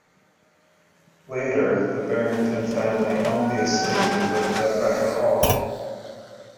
Later the Barrington family owned the estate and lived at Beckett Hall.